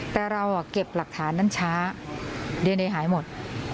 แต่เราเก็บหลักฐานนั้นช้าดีเอนเอหายหมด